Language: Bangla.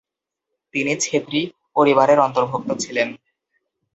তিনি ছেত্রি পরিবারের অন্তর্ভুক্ত ছিলেন।